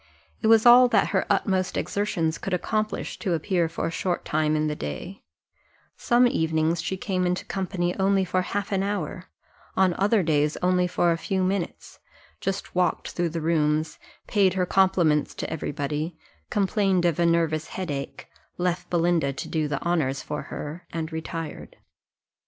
It was all that her utmost exertions could accomplish, to appear for a short time in the day some evenings she came into company only for half an hour, on other days only for a few minutes, just walked through the rooms, paid her compliments to every body, complained of a nervous head ache, left Belinda to do the honours for her, and retired.